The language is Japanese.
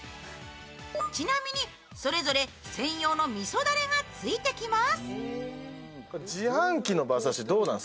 ちなみに、それぞれ専用のみそダレがついてきます。